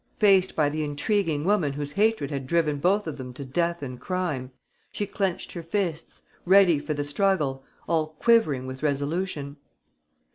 Faced by the intriguing woman whose hatred had driven both of them to death and crime, she clenched her fists, ready for the struggle, all quivering with resolution.